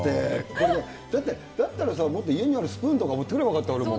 だって、だったらさ、僕、家にあるスプーンとか持ってくればよかったもん。